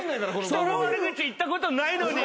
人の悪口言ったことないのに。